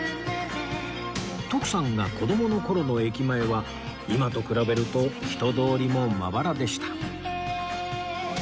徳さんが子どもの頃の駅前は今と比べると人通りもまばらでした